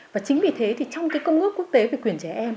và chính vì thế thì trong cái công ước quốc tế về quyền trẻ em